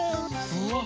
うわ！